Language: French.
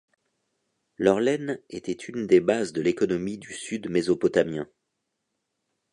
Leur laine était une des bases de l'économie du Sud mésopotamien.